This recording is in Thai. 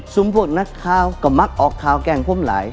ซุมพวกนักทางให้กำมักออกขาวแกกล้างพ่วนหลาย